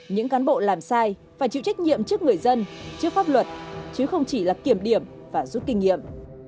những cán bộ làm sai phải chịu trách nhiệm trước người dân trước pháp luật chứ không chỉ là kiểm điểm và rút kinh nghiệm